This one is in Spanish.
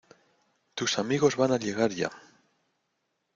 Tus amigos van a llegar ya.